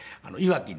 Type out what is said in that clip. いわきで。